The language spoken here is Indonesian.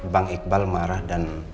pak iqbal marah dan